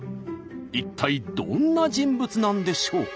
一体どんな人物なんでしょうか？